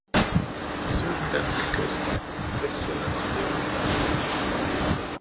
De så den danske kyst, vestjyllands hvide sandklitter